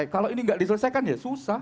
kalau ini nggak diselesaikan ya susah